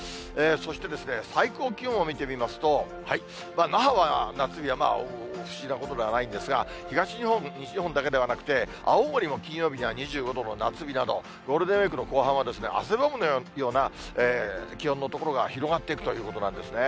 そして最高気温を見てみますと、那覇は夏日は不思議なことではないんですが、東日本、西日本だけではなくて、青森も金曜日には２５度の夏日など、ゴールデンウィークの後半は汗ばむような気温の所が広がっていくということなんですね。